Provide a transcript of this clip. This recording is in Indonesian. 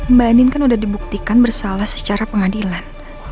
mbak anin kan udah dibuktikan bersalah secara pengadilan